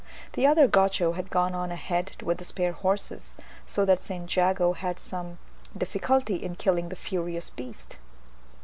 The other Gaucho had gone on ahead with the spare horses, so that St. Jago had some difficulty in killing the furious beast.